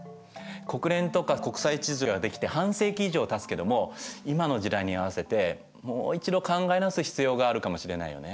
国連とか国際秩序ができて半世紀以上たつけども今の時代に合わせてもう一度考え直す必要があるかもしれないよね。